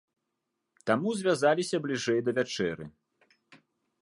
Таму звязаліся бліжэй да вячэры.